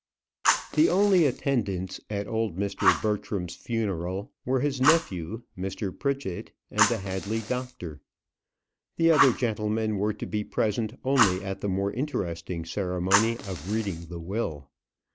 The only attendants at old Mr. Bertram's funeral were his nephew, Mr. Pritchett, and the Hadley doctor. The other gentlemen were to be present only at the more interesting ceremony of reading the will.